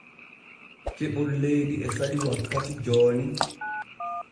Keɓol leydi e saɗi wakkati jooni.